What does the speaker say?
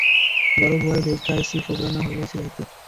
বড় বুয়ারে দেইক্কা আইছি ফোবরা না'হইল ছিলাইতে।